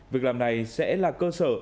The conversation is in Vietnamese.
việc làm này sẽ là cơ sở